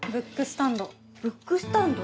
ブックスタンド。